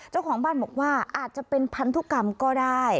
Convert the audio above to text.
เจ้าของบ้านบอกว่าอาจจะเป็นพันธุกรรมก็ได้